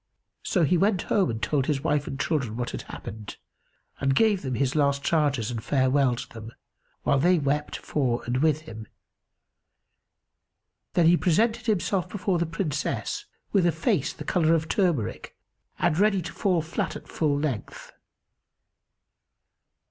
So he went home and told his wife and children what had happened and gave them his last charges and farewelled them, while they wept for and with him. Then he presented himself before the Princess, with a face the colour of turmeric and ready to fall flat at full length.